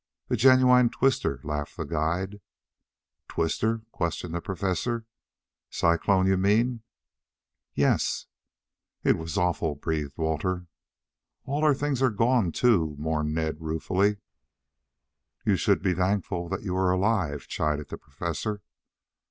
"A genuine twister," laughed the guide. "Twister?" questioned the Professor. "Cyclone, you mean?" "Yes." "It was awful," breathed Walter. "All our things gone, too," mourned Ned ruefully. "You should be thankful that you are alive," chided the Professor.